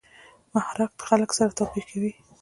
مهارت خلک سره توپیر کوي.